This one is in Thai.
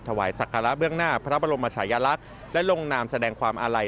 ถวายศักระเบื้องหน้าพระบรมชายลักษณ์และลงนามแสดงความอาลัย